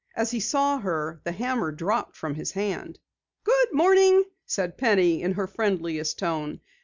As he saw her the hammer dropped from his hand. "Good morning," said Penny in her friendliest tone.